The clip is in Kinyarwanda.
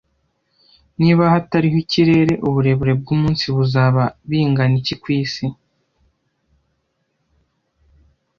Niba hatariho ikirere, uburebure bwumunsi buzaba bingana iki kwisi